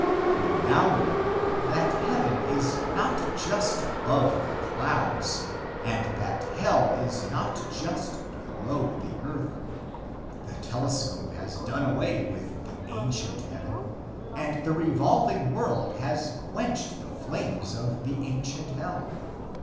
We now know that heaven is not just above the clouds and that hell is not just below the earth. The telescope has done away with the ancient heaven, and the revolving world has quenched the flames of the ancient hell.